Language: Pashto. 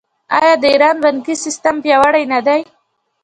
آیا د ایران بانکي سیستم پیاوړی نه دی؟